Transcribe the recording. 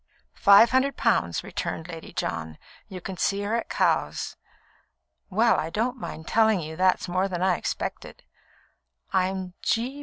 "Five hundred pounds," returned Lady John. "You can see her at Cowes." "Well, I don't mind telling you that's more than I expected. I'm G.